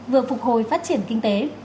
vừa phục hồi phát triển kinh tế